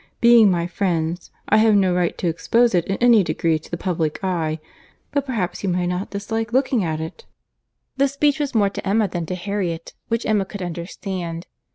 "Being my friend's, I have no right to expose it in any degree to the public eye, but perhaps you may not dislike looking at it." The speech was more to Emma than to Harriet, which Emma could understand.